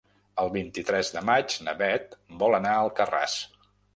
El vint-i-tres de maig na Beth vol anar a Alcarràs.